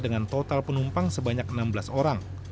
dengan total penumpang sebanyak enam belas orang